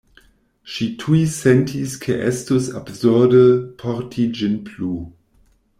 Ŝi tuj sentis ke estus absurde porti ĝin plu.